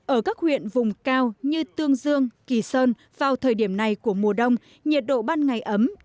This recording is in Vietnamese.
ở các huyện vùng cao như tương dương kỳ sơn vào thời điểm này của mùa đông nhiệt độ ban ngày ấm